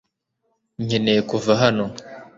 Nkeneye kuva hano .